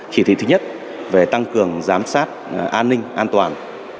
chỉ thị thứ nhất về tăng cường giám sát an ninh an toàn